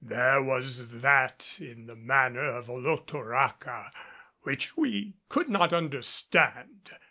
There was that in the manner of Olotoraca which we could not understand.